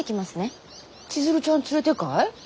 千鶴ちゃん連れてかい？